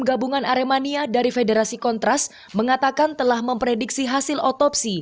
gabungan aremania dari federasi kontras mengatakan telah memprediksi hasil otopsi